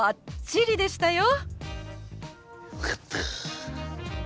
よかった！